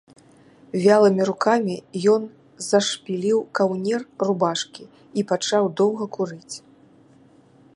Вялымі рукамі ён зашпіліў каўнер рубашкі і пачаў доўга курыць.